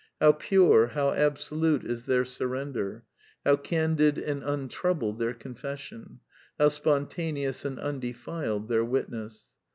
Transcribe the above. How pure, how absolute is their surrender; how candid and untroubled their confession ; how spontaneous •\c^nd undefiled their witness.